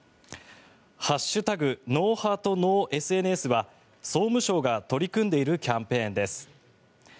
「＃ＮｏＨｅａｒｔＮｏＳＮＳ」は総務省が取り組んでいるキャンペーンです。